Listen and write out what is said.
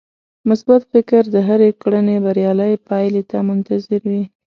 مثبت فکر د هرې کړنې بريالۍ پايلې ته منتظر وي.